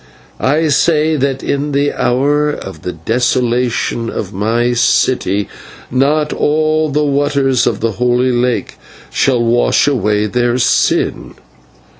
I say that in the hour of the desolation of my city not all the waters of the Holy Lake shall wash away their sin.